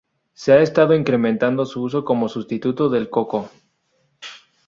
Se ha estado incrementando su uso como sustituto del de coco.